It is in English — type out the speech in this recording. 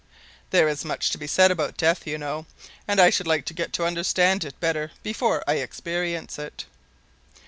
There is much to be said about death, you know, and I should like to get to understand it better before I experience it."